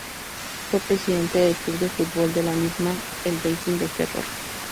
Fue presidente del club de fútbol de la misma, el Racing de Ferrol.